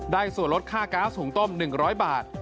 ส่วนลดค่าก๊าซหุงต้ม๑๐๐บาท